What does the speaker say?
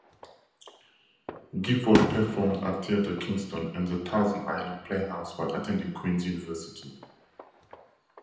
Gifford performed at Theatre Kingston and the Thousand Island Playhouse, while attending Queen's University.